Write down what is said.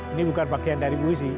ini bukan bagian dari puisi